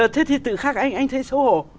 thế thì tự khắc anh thấy xấu hổ